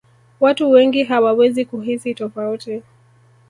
watu wengi hawawezi kuhisi tofauti